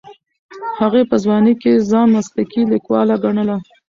هغې په ځوانۍ کې ځان مسلکي لیکواله ګڼله.